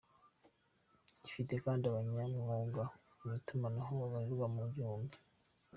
Ifite kandi abanyamwuga mu itumanaho babarirwa mu gihumbi.